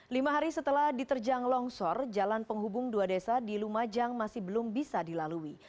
lima hari setelah diterjang longsor jalan penghubung dua desa di lumajang masih belum bisa dilalui